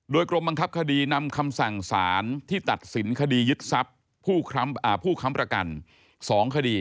โดยกรมบังคับคดีนำคำสั่งสารที่ตัดสินคดียึดทรัพย์ผู้ค้ำประกัน๒คดี